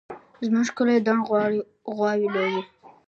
زموږ کلی دڼ غواوې لري